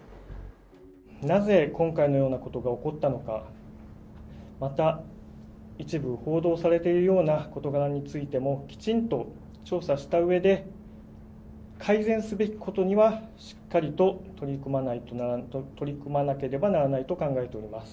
なぜ今回のようなことが起こったのか、また一部報道されているような事柄についても、きちんと調査したうえで、改善すべきことにはしっかりと取り組まなければならないと考えております。